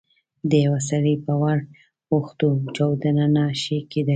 د یوه سړي په ور اوښتو چاودنه نه شي کېدای.